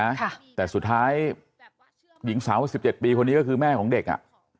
ค่ะแต่สุดท้ายหญิงสาวว่าสิบเจ็ดปีคนนี้ก็คือแม่ของเด็กอ่ะ